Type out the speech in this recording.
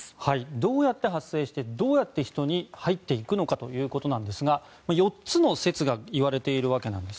どうやって発生してどうやって人に入っていくのかということなんですが４つの説が言われているわけです。